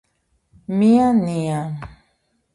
მია ნია